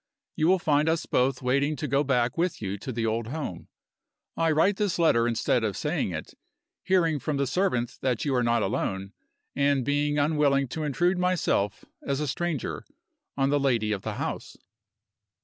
You will find us both waiting to go back with you to the old home. I write this instead of saying it, hearing from the servant that you are not alone, and being unwilling to intrude myself, as a stranger, on the lady of the house."